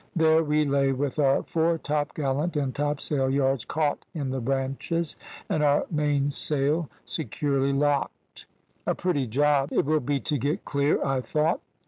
There we lay with our fore topgallant and topsail yards caught in the branches, and our mainsail securely locked. "`A pretty job it will be to get clear,' I thought.